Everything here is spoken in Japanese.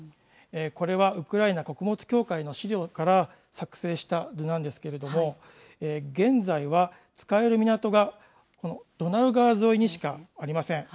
これはウクライナ穀物協会の資料から作成した図なんですけれども、現在は使える港がこのドナウ川沿いにしかありません。